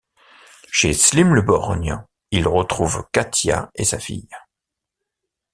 Chez Slim le Borgne, ils retrouvent Katia et sa fille.